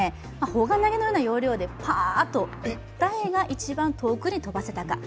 砲丸投げのような要領でぱーっと、誰が一番遠くに飛ばせたか。